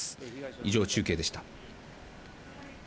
以上、中継でした。